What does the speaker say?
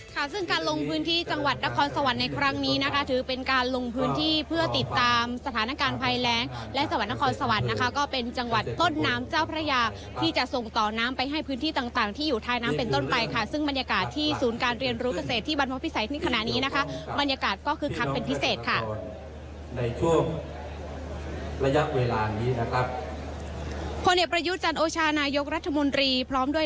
ค่ะซึ่งการลงพื้นที่จังหวัดนครสวรรค์ในครั้งนี้นะคะถือเป็นการลงพื้นที่เพื่อติดตามสถานการณ์ภายแล้งและสวรรค์นครสวรรค์นะคะก็เป็นจังหวัดต้นน้ำเจ้าพระยาที่จะส่งต่อน้ำไปให้พื้นที่ต่างที่อยู่ท้ายน้ำเป็นต้นไปค่ะซึ่งบรรยากาศที่ศูนย์การเรียนรู้เกษตรที่บรรพภิสัยที่ขณะนี้นะคะบรรย